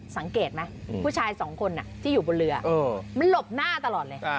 สังเกตไหมผู้ชายสองคนที่อยู่บนเรือมันหลบหน้าตลอดเลย